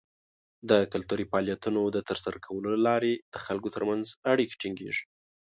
د کلتوري فعالیتونو د ترسره کولو له لارې د خلکو تر منځ اړیکې ټینګیږي.